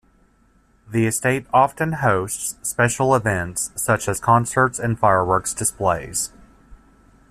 The estate often hosts special events, such as concerts and firework displays.